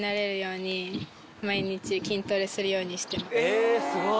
えすごい。